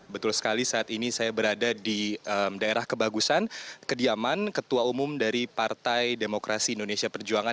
betul sekali saat ini saya berada di daerah kebagusan kediaman ketua umum dari partai demokrasi indonesia perjuangan